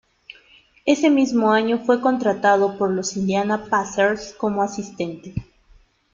Ese mismo año fue contratado por los Indiana Pacers como asistente.